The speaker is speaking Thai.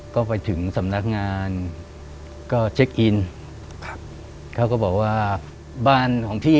ก็ไปถึงสำนักงาน